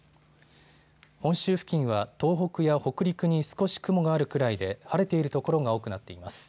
本州付近は東北や北陸に少し雲があるくらいで晴れている所が多くなっています。